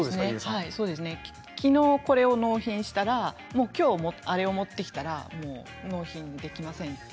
昨日、これを納品したら今日あれを持ってきたらもう納品できません。